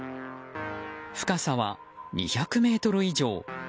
深さは２００ｍ以上。